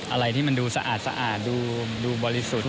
อะไรที่มันดูสะอาดดูบริสุทธิ์